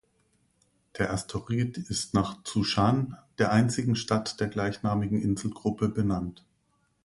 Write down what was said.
Der Asteroid ist nach Zhoushan, der einzigen Stadt der gleichnamigen Inselgruppe, benannt.